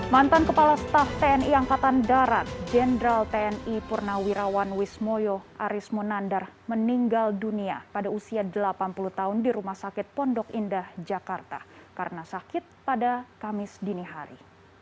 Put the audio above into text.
mantan kepala staf tni angkatan darat jenderal tni purnawirawan wismoyo arismonandar meninggal dunia pada usia delapan puluh tahun di rumah sakit pondok indah jakarta karena sakit pada kamis dini hari